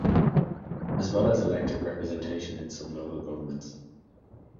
As well as elected representation in some local governments.